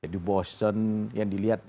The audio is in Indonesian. di bosen yang dilihat